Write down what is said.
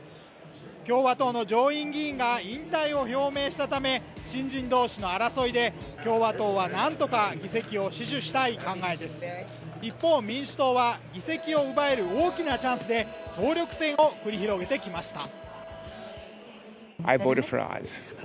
共和党の上院議員が引退を表明したため新人どうしの争いで共和党は議席を死守したい考えです一方、民主党は議席を奪える大きなチャンスで総力戦を繰り広げてきました